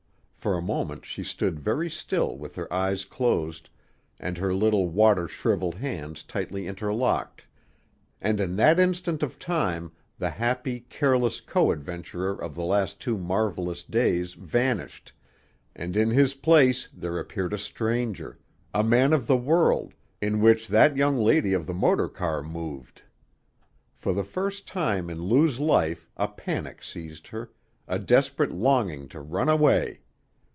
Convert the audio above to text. For a moment she stood very still with her eyes closed and her little water shriveled hands tightly interlocked, and in that instant of time the happy, careless co adventurer of the last two marvelous days vanished, and in his place there appeared a stranger, a man of the world, in which that young lady of the motor car moved. For the first time in Lou's life a panic seized her, a desperate longing to run away.